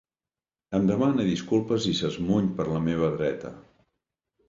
Em demana disculpes i s'esmuny per la meva dreta.